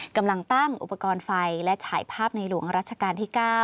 กำลังตั้งอุปกรณ์ไฟและฉายภาพในหลวงรัชกาลที่๙